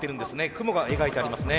雲が描いてありますね。